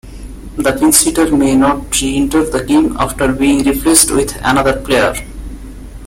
The pinch hitter may not re-enter the game after being replaced with another player.